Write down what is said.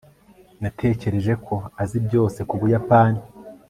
natekereje ko azi byose ku buyapani